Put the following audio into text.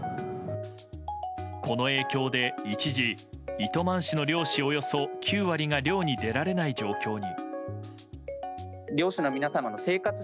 この影響で一時糸満市の漁師およそ９割が漁に出られない状況に。